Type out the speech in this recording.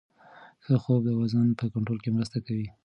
ښه خوب د وزن په کنټرول کې مرسته کوي.